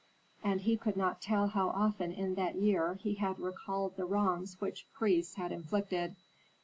And he could not tell how often in that year he had recalled the wrongs which priests had inflicted.